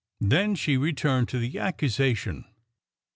Then she returned to the accusation.